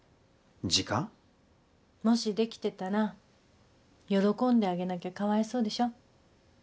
もしできてたら喜んであげなきゃかわいそうでしょ。